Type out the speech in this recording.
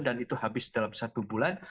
dan itu habis dalam satu bulan